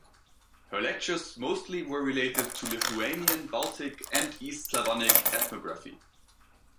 Her lectures mostly were related to Lithuanian, Baltic and East Slavonic ethnography.